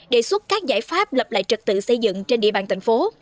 đề xuất các giải pháp lập lại trật tự xây dựng trên địa bàn thành phố